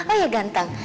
oh ya ganteng